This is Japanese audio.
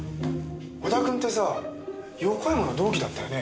織田君ってさ横山の同期だったよね？